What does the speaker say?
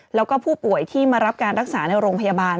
แล้วก็ผู้ป่วยที่มารับการรักษาในโรงพยาบาล